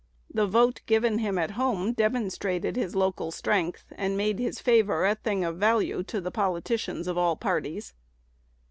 The vote given him at home demonstrated his local strength, and made his favor a thing of value to the politicians of all parties.